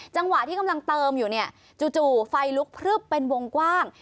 จังหวะที่กำลังเติมอยู่เนี่ยจู่ไฟลุกพลึบเป็นวงกว้าง